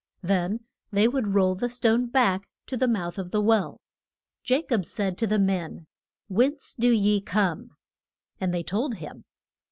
Then they would roll the stone back to the mouth of the well. Ja cob said to the men, Whence do ye come? And they told him.